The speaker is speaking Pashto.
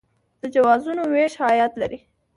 د جوازونو ویش عاید لري